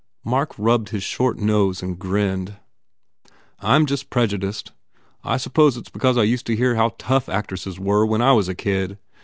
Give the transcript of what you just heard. Mark rubbed his short nose and grinned. "I m just prejudiced. I suppose it s because I used to hear how tough actresses were when I was a kid.